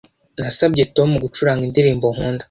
Nasabye Tom gucuranga indirimbo nkunda